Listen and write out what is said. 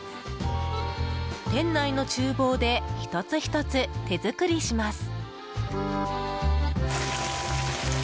店内の厨房で１つ１つ手作りします。